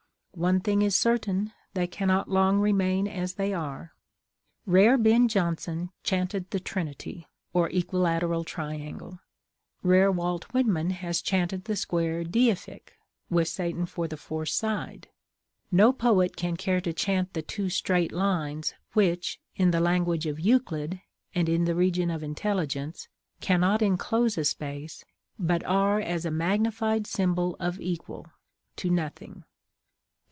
One thing is certain, they cannot long remain as they are. Rare Ben Jonson chanted the Trinity, or Equilateral Triangle; rare Walt Whitman has chanted the Square Deific (with Satan for the fourth side); no poet can care to chant the two straight lines which, in the language of Euclid, and in the region of intelligence, cannot enclose a space, but are as a magnified symbol of equal—to nothing.